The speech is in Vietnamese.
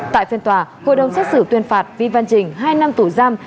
tại phiên tòa hội đồng xét xử tuyên phạt vi văn trình hai năm tù giam